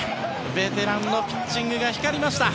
ベテランのピッチングが光りました。